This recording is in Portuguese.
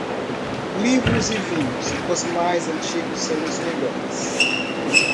Livros e vinhos, os mais antigos são os melhores.